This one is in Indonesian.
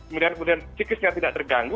kemudian psikisnya tidak terganggu